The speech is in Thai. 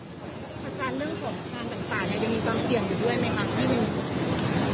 อาจารย์เรื่องของทางต่างยังมีความเสี่ยงอยู่ด้วยไหมคะ